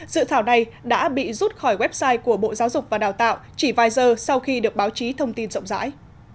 dự thảo này đã bị rút khỏi website của bộ giáo dục và đào tạo chỉ vài giờ sau khi được báo chí thông tin rộng rãi